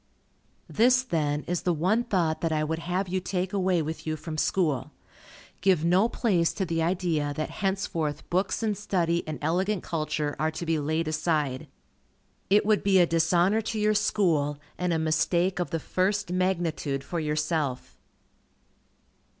This, then, is the one thought that I would have you take away with you from school. Give no place to the idea that henceforth books and study and elegant culture are to be laid aside. It would be a dishonor to your School, and a mistake of the first magnitude for yourself.